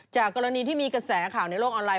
กรณีที่มีกระแสข่าวในโลกออนไล